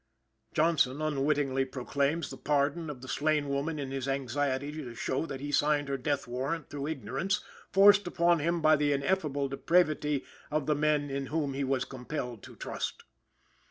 Johnson unwittingly proclaims the pardon of the slain woman in his anxiety to show that he signed her death warrant through ignorance, forced upon him by the ineffable depravity of the men in whom he was compelled to trust.